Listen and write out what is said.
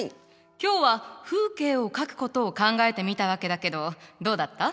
今日は風景を描くことを考えてみたわけだけどどうだった？